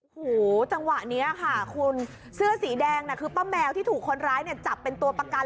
โอ้โหจังหวะนี้ค่ะคุณเสื้อสีแดงน่ะคือป้าแมวที่ถูกคนร้ายเนี่ยจับเป็นตัวประกัน